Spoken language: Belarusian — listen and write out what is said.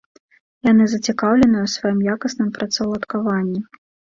Яны зацікаўленыя ў сваім якасным працаўладкаванні.